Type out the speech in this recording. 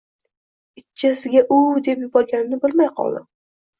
Itchasiga “Uvvv!” deb yuborganimni bilmay qoldim